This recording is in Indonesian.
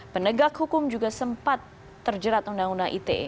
penegak hukum juga sempat terjerat undang undang ite